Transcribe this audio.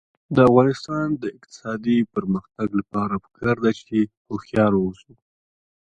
د افغانستان د اقتصادي پرمختګ لپاره پکار ده چې هوښیار اوسو.